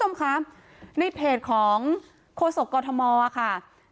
ชุมชนแฟลต๓๐๐๐๐คนพบเชื้อ๓๐๐๐๐คนพบเชื้อ๓๐๐๐๐คน